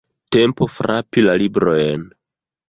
Tempo frapi la librojn!